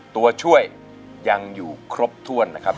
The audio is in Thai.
ตัวช่วยยังอยู่ครบถ้วนนะครับ